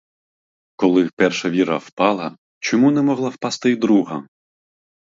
Коли перша віра впала, — чому не могла впасти й друга?